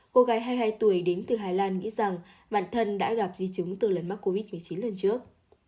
cô gái hai mươi hai tuổi đến từ hà lan nghĩ rằng bản thân đã gặp di chứng từ lần mắc covid một mươi chín lên trước